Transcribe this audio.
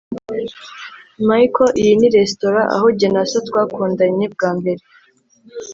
michael, iyi ni resitora aho jye na so twakundanye bwa mbere